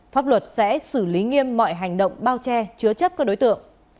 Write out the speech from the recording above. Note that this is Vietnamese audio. pháp luật sẽ xử lý nghiêm mọi hành động bao che chứa chấp các đối tượng